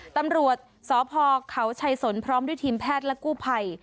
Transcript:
ตำรวจสพเขาชัยสนพร้อมด้วยทีมแพทย์และกู้ภัย